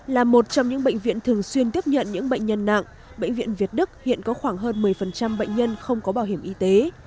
là một trong những bệnh viện thường xuyên tiếp nhận những bệnh nhân nặng bệnh viện việt đức hiện có khoảng hơn một mươi bệnh nhân không có bảo hiểm y tế